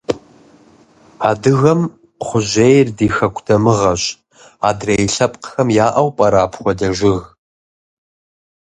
Адыгэм кхъужьейр ди хэку дамыгъэщ, адрей лъэпкъхэм яӀэу пӀэрэ апхуэдэ жыг?